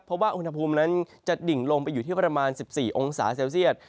เพราะว่าอุณหภูมินั้นจะดิ่งลงไปอยู่ที่ประมาณ๑๔องศาเซลเซียต